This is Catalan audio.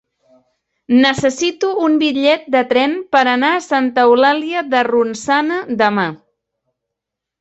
Necessito un bitllet de tren per anar a Santa Eulàlia de Ronçana demà.